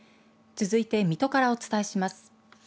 続いて水戸からお伝えします。